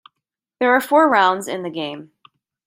There are four rounds in the game.